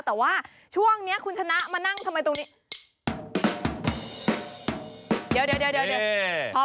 แต่ว่าช่วงเนี้ยคุณชนะมานั่งทำไมตรงนี้เดี๋ยวเดี๋ยวเดี๋ยวเดี๋ยวเดี๋ยว